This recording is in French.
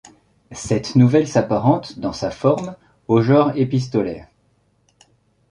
Cette nouvelle s'apparente dans sa forme au genre épistolaire.